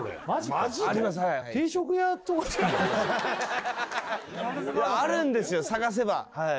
はいいやあるんですよ探せばはい